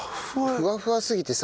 ふわふわすぎてさ